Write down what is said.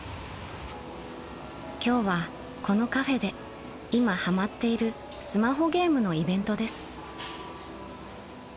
［今日はこのカフェで今はまっているスマホゲームのイベントです］